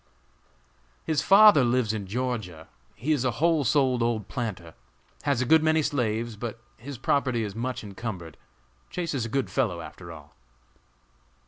"His father lives in Georgia; he is a whole souled old planter; has a good many slaves; but his property is much encumbered. Chase is a good fellow after all!"